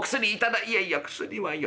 「いやいや薬はよい。